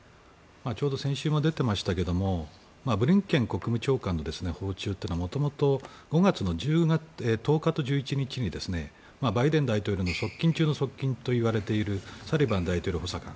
ちょうど先週も出ていましたがブリンケン国務長官の訪中は元々、５月１０日と１１日にバイデン大統領の側近中と側近といわれているサリバン大統領補佐官。